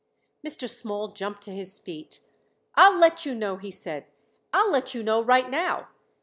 Mr. Small jumped to his feet. "I'll let you know," he said "I'll let you know right now.